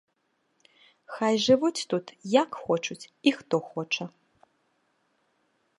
Хай жывуць тут, як хочуць і хто хоча.